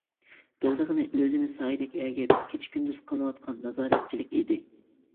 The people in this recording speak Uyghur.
بىلىدىغىنى ئۆزىنى سايىدەك ئەگىپ كېچە-كۈندۈز قىلىنىۋاتقان نازارەتچىلىك ئىدى.